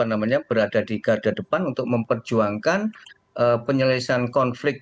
dan indonesia selalu berada di garda depan untuk memperjuangkan penyelesaian konflik